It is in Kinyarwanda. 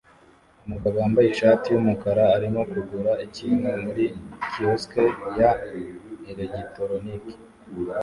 Umugabo wambaye ishati yumukara arimo kugura ikintu muri kiosque ya elegitoroniki